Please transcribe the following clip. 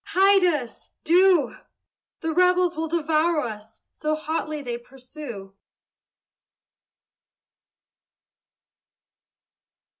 hide us! do! The rebels will devour us, So hotly they pursue."